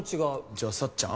じゃあさっちゃん？